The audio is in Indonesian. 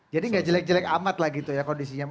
jadi tidak jelek jelek amat lah gitu ya kondisinya